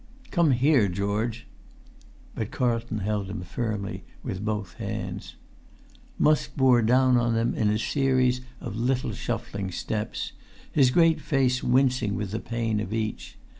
"Come here, George!" But Carlton held him firmly with both hands. [Pg 283]Musk bore down on them in a series of little shuffling steps, his great face wincing with the pain of each.